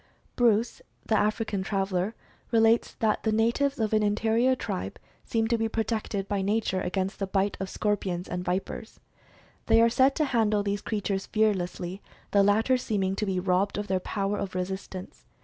Bruse, the African traveler, relates that the natives of an interior tribe seem to be protected by nature against the bite of scorpions and vipers. They are 1 8 Mental Fascination said to handle these creatures fearlessly, the latter seeming to be robbed of their power of resistance.